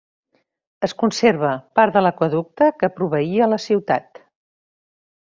Es conserva part de l'aqüeducte que proveïa la ciutat.